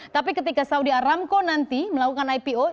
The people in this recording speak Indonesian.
tapi ketika saudi aramco nanti melakukan ipo